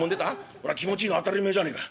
そら気持ちいいの当たり前じゃねえか。